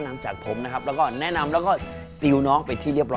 แต่ฉันทำผิดฉันทำผิดฉันทำผิดเอง